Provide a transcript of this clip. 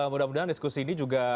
mudah mudahan diskusi ini juga